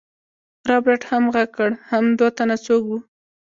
رابرټ هم غږ کړ حم دوه تنه څوک وو.